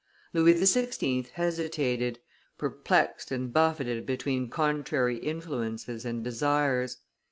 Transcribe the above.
Louis XVI. hesitated, perplexed and buffeted between contrary influences and desires.